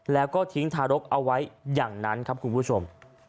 แล้วก็ทิ้งทารกเอาไว้อย่างนั้นครับคุณผู้ชม